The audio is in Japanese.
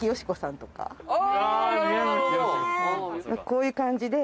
こういう感じで。